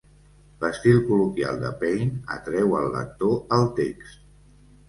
L'estil col·loquial de Paine atreu el lector al text.